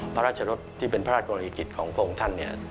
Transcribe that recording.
พระราชรถที่เป็นพระราชโรงเรียกฤทธิ์ของพวกคุณท่าน